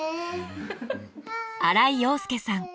荒井陽介さん